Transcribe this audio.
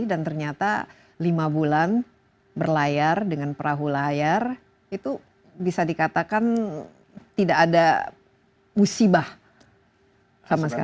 dan ternyata lima bulan berlayar dengan perahu layar itu bisa dikatakan tidak ada musibah sama sekali